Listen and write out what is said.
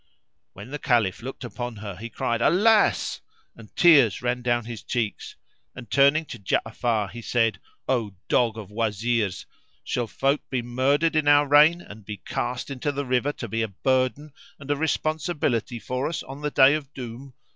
When the Caliph looked upon her he cried, "Alas!" and tears ran down his cheeks and turning to Ja'afar he said, "O dog of Wazirs, [FN#354] shall folk be murdered in our reign and be cast into the river to be a burden and a responsibility for us on the Day of Doom?